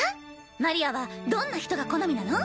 マリアはどんな人が好みなの？